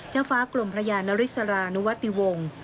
ฟ้ากลมพระยานริสรานุวติวงศ์